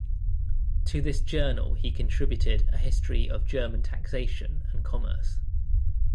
To this journal he contributed a history of German taxation and commerce.